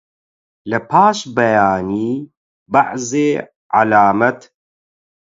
لەپاش بەیانی بەعزێ عەلامەت